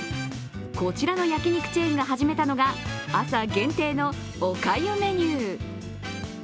こちらの焼肉チェーンが始めたのが、朝限定のおかゆメニュー。